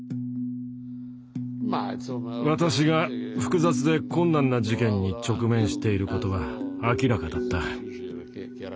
私が複雑で困難な事件に直面していることは明らかだった。